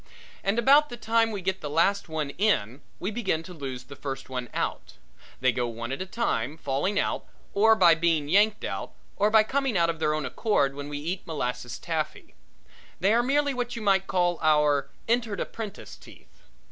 And about the time we get the last one in we begin to lose the first one out. They go one at a time, by falling out, or by being yanked out, or by coming out of their own accord when we eat molasses taffy. They were merely what you might call our Entered Apprentice teeth.